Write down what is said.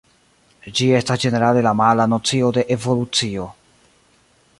Ĝi estas ĝenerale la mala nocio de «Evolucio».